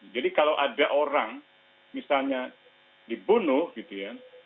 jadi kalau ada orang misalnya dibunuh gitu ya